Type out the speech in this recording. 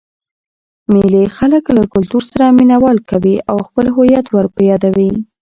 مېلې خلک له کلتور سره مینه وال کوي او خپل هويت ور په يادوي.